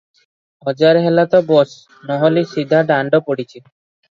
ହଜାରେ ହେଲା ତ ବସ, ନୋହିଲେ, ସିଧା ଦାଣ୍ଡ ପଡ଼ିଛି ।